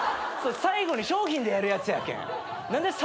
それ最後に商品でやるやつやけん。